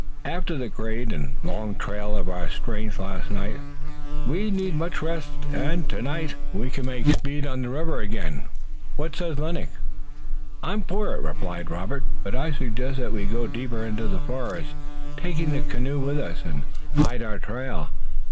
"After the great and long trial of our strength last night, we need much rest. And tonight we can make speed on the river again. What says Lennox?" "I'm for it," replied Robert, "but I suggest that we go deeper into the forest, taking the canoe with us, and hide our trail.